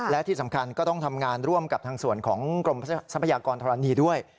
และที่สำคัญก็ต้องทำงานร่วมกับทางส่วนของกรมทรัพยากรธรณีด้วย